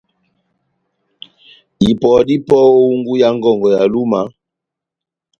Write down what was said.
Ipɔ dá ipɔ ó ehungu yá ngɔngɔ ya Lúma,